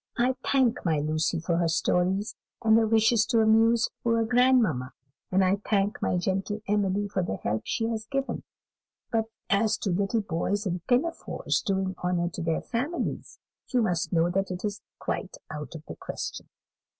I thank my Lucy for her stories, and her wishes to amuse poor grandmamma; and I thank my gentle Emily for the help she has given; but as to little boys in pinafores doing honour to their families, you must know that is quite out of the question.